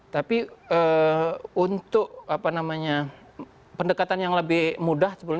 tapi untuk pendekatan yang lebih mudah